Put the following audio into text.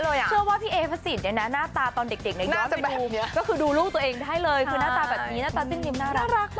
รูปตัวเองได้เลยหน้าตาแบบนี้หน้าตาจิ้มน่ารัก